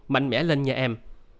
mạnh mẽ lên nha em